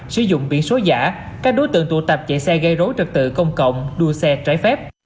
sử dụng biển số giả các đối tượng tụ tập chạy xe gây rối trật tự công cộng đua xe trái phép